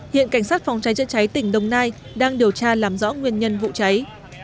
hiện cảnh sát phòng cháy chữa cháy tỉnh đồng nai đang điều tra làm rõ nguyên nhân vụ cháy